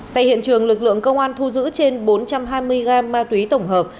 tại hiện trường lực lượng công an thu giữ trên bốn trăm hai mươi g ma túy tổng hợp